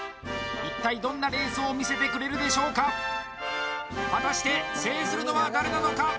一体どんなレースを見せてくれるでしょうか果たして制するのは誰なのか？